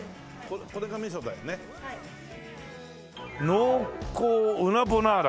「濃厚うなボナーラ」。